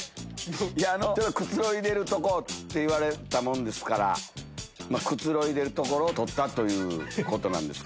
ただくつろいでるとこって言われたもんですからまぁくつろいでるところを撮ったということなんです。